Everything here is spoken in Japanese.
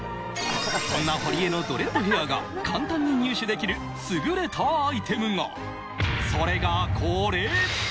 そんな堀江のドレッドヘアが簡単に入手できる優れたアイテムが、それがこれ。